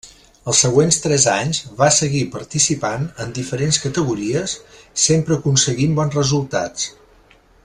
Els següents tres anys va seguir participant en diferents categories, sempre aconseguint bons resultats.